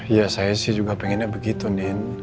iya saya sih juga pengennya begitu din